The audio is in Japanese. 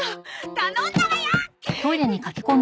頼んだわよ！！